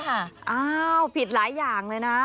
อ้าวผิดหลายอย่างเลยนะ